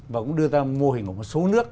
và cũng đưa ra mô hình của một số nước